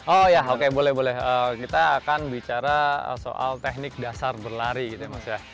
oh ya oke boleh boleh kita akan bicara soal teknik dasar berlari gitu ya mas ya